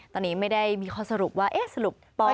ตอนนี้ไม่ได้มีค้าสรุปว่าสรุปปลอบ